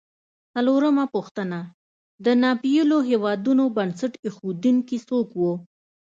څلورمه پوښتنه: د ناپېیلو هېوادونو بنسټ ایښودونکي څوک و؟